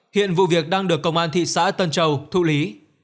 hiện vụ việc đang được công an thị xã tân châu thụ lý